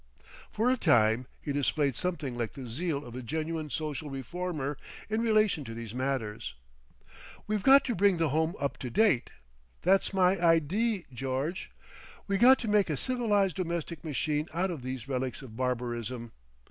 For a time he displayed something like the zeal of a genuine social reformer in relation to these matters. "We've got to bring the Home Up to Date? That's my idee, George. We got to make a civilised domestic machine out of these relics of barbarism.